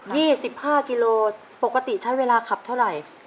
สิบห้ากิโลปกติใช้เวลาขับเท่าไหร่